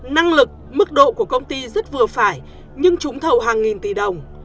năng lực mức độ của công ty rất vừa phải nhưng trúng thầu hàng nghìn tỷ đồng